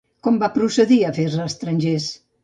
Com va procedir Afers estrangers?